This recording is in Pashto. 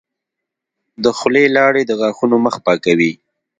د خولې لاړې د غاښونو مخ پاکوي.